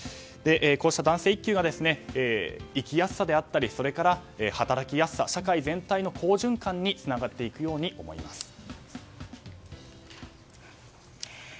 こうした男性育休が生きやすさであったりそれから働きやすさ社会全体の好循環につながっていくように思います。